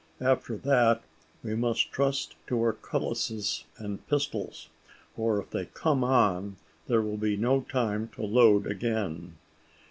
After that, we must trust to our cutlasses and pistols; for if they come on, there will be no time to load again.